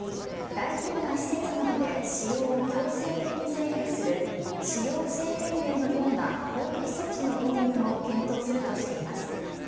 大規模な施設などで使用を強制的に制限する使用制限令のような法的措置の導入も検討するとしています。